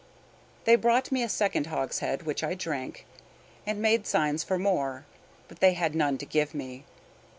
They brought me a second hogshead, which I drank, and made signs for more; but they had none to give me.